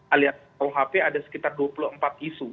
alias kuhp ada sekitar dua puluh empat isu